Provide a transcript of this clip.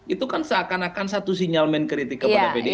itu kan seakan akan satu sinyal menkritik kepada pdip